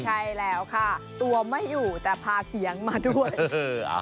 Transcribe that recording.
ใช่แล้วค่ะตัวไม่อยู่แต่พาเสียงมาด้วยเออ